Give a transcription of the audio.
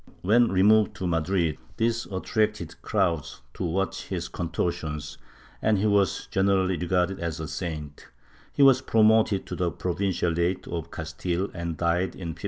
When removed to Madrid, this attracted crowds to watch his con tortions and he was generally regarded as a saint ; he was promoted to the provincialate of Castile and died in 1529.